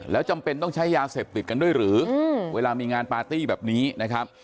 แล้วจำเป็นต้องใช้ยาเสพติดกันด้วยหรือเวลามีงานปาร์ตี้แบบนี้นะครับ